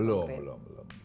belum belum belum